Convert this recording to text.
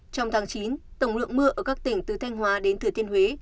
trong tháng chín tổng lượng mưa ở các tỉnh từ thanh hóa đến thừa thiên huế